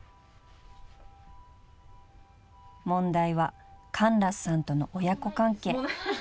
［問題はカンラスさんとの親子関係］